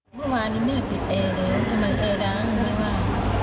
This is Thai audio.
เมื่อวานนี้แม่ปิดแอร์เลยทำไมเออดังไม่ว่า